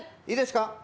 いいですか？